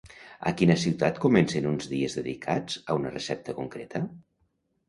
A quina ciutat comencen uns dies dedicats a una recepta concreta?